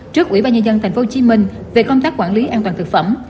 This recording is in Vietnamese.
trước ủy ban nhân dân tp hcm về công tác quản lý an toàn thực phẩm